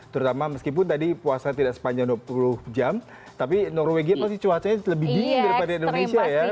terutama meskipun tadi puasa tidak sepanjang dua puluh jam tapi norwegia pasti cuacanya lebih dingin daripada indonesia ya